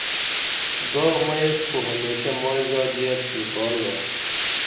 گا مئیس خو ہمیشہ مائی زادیہ پِھرکال گا